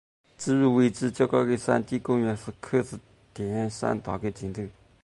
至于位置较高的山顶公园是柯士甸山道的尽头。